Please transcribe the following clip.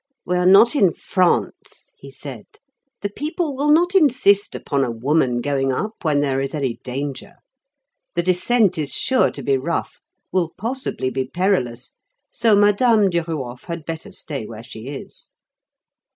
"We are not in France," he said. "The people will not insist upon a woman going up when there is any danger. The descent is sure to be rough, will possibly be perilous, so Madame Duruof had better stay where she is."